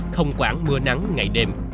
không quản mưa nắng ngày đêm